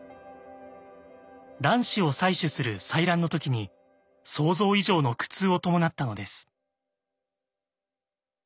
卵子を採取する採卵の時に想像以上の苦痛を伴ったのです。